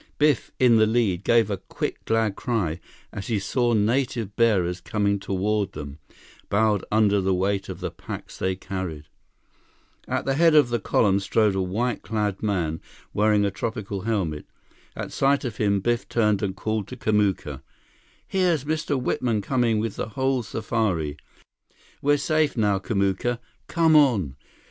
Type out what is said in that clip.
Biff, in the lead, gave a quick glad cry as he saw native bearers coming toward them, bowed under the weight of the packs they carried. At the head of the column strode a white clad man wearing a tropical helmet. At sight of him, Biff turned and called to Kamuka: "Here's Mr. Whitman coming with the whole safari! We're safe now, Kamuka! Come on!"